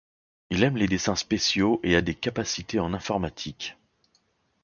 Il aime les dessins spéciaux et a des capacités en informatique.